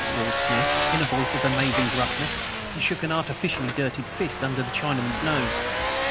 roared Smith, in a voice of amazing gruffness, and shook an artificially dirtied fist under the Chinaman's nose.